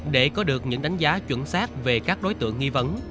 để có được những đánh giá chuẩn xác về các đối tượng nghi vấn